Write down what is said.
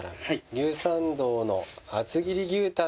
「牛参道の厚切り牛タン」